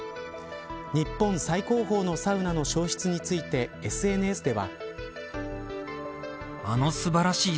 日本最高峰のサウナの消失についてＳＮＳでは。